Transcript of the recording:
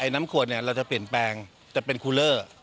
น้ำขวดเนี่ยเราจะเปลี่ยนแปลงจะเป็นคูเลอร์